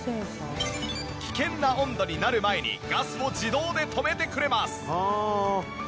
危険な温度になる前にガスを自動で止めてくれます。